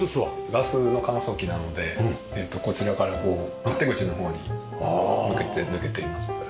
ガスの乾燥機なのでこちらからこう勝手口の方に向けて抜けています。